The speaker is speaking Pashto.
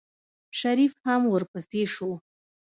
شريف هم ورپسې شو.